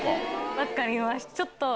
分かりました。